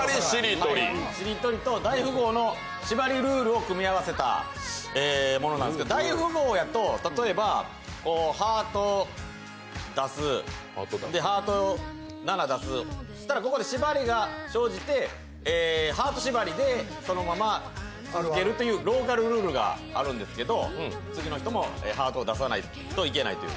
しりとりと大富豪のしばりを組み合わせたものなんですけど、大富豪やと、例えばハートを出す、ハートの７出す、そしたらここで縛りが生じてハート縛りでそのまま抜けるというローカルルールがあるんですけど、次の人もハートを出さないといけないという。